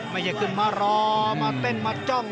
ไม่อย่าขึ้นมารอมาเต้นมาจ้อง